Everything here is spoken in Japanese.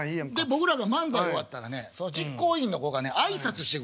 僕らが漫才終わったらねその実行委員の子がね挨拶してくれる。